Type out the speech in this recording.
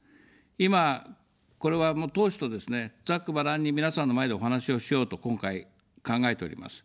今、これは党首とですね、ざっくばらんに皆さんの前でお話をしようと今回、考えております。